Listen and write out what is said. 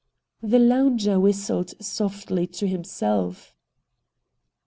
The lounger whistled softly to himself.